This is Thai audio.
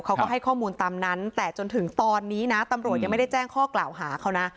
เขาก็ให้ข้อมูลตามนั้นแต่จนถึงตอนนี้นะตำรวจยังไม่ได้แจ้งข้อกล่าวหาเขานะ